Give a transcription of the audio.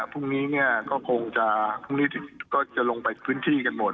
พรุ่งนี้เนี่ยก็คงจะพรุ่งนี้ก็จะลงไปพื้นที่กันหมด